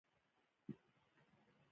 یا دي شل کلونه اچوم زندان ته